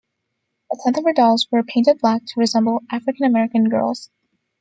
A tenth of her dolls were painted black to resemble African American girls.